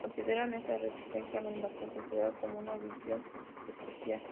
Consideraba esta resistencia a la invasión cultural como su misión especial.